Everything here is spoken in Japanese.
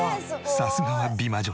さすがは美魔女。